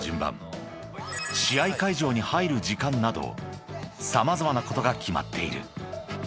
［試合会場に入る時間など様々なことが決まっている］